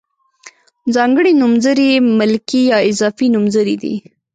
ځانګړي نومځري ملکي یا اضافي نومځري دي.